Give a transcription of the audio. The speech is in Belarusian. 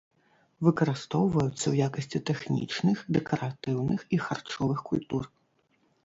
Выкарыстоўваюцца ў якасці тэхнічных, дэкаратыўных і харчовых культур.